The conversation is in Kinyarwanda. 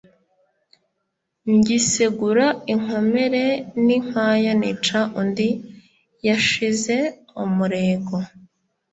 Ngisegura inkomere n’inkwaya, nica undi yashize umurego